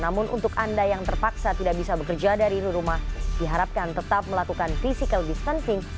namun untuk anda yang terpaksa tidak bisa bekerja dari rumah diharapkan tetap melakukan physical distancing